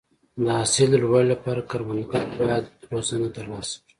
د حاصل د لوړوالي لپاره کروندګر باید روزنه ترلاسه کړي.